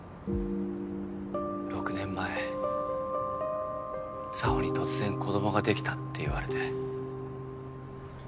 ６年前沙帆に突然子どもができたって言われて。